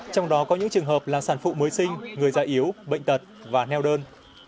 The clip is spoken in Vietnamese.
trong đó có những trường hợp là sản phụ mới sinh người già yếu bệnh tật và neo đơn